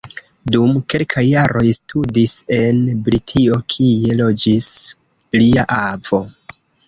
Dum kelkaj jaroj studis en Britio, kie loĝis lia avo.